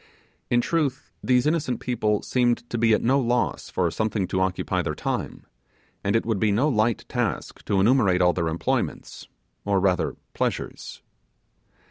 In truth these innocent people seemed to be at no loss for something to occupy their time; and it would be no light task to enumerate all their employments, or rather pleasures.